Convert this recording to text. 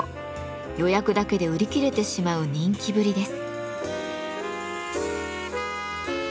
予約だけで売り切れてしまう人気ぶりです。